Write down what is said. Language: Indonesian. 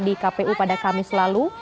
di kpu pada kamis lalu